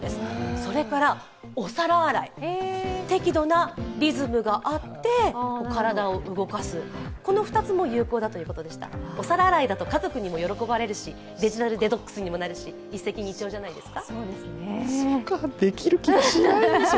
それからお皿洗い、適度なリズムがあって体を動かす、この２つも有効だということでしたお皿洗いだと家族にも喜ばれるしデジタルデトックスにもなるし、一石二鳥じゃないですか。